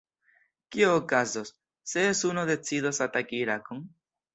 Kio okazos, se Usono decidos ataki Irakon?